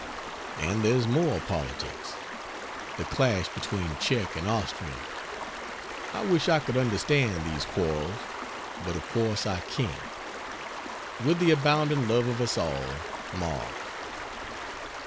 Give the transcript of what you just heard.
And there's more politics the clash between Czech and Austrian. I wish I could understand these quarrels, but of course I can't. With the abounding love of us all MARK.